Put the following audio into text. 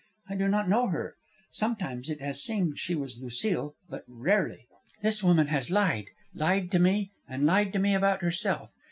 I do not know her. Sometimes it has seemed she was Lucile, but rarely. This woman has lied, lied to me, and lied to me about herself.